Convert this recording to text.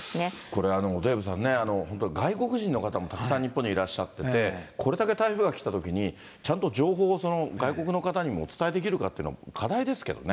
これ、デーブさんね、本当、外国人の方もたくさん日本にいらっしゃってて、これだけ台風が来たときに、ちゃんと情報を外国の方にもお伝えできるかっていうの、課題ですけどね。